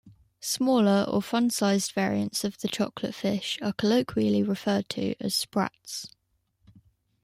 Smaller, or "fun-sized" variants of the chocolate fish are colloquially referred to as "sprats".